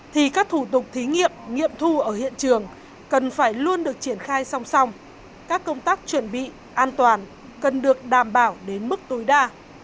thì các thủ tục thí nghiệm nghiệm thu ở hiện trường cần phải luôn được triển khai song song các công tác chuẩn bị an toàn cần được đảm bảo đến mức tối đa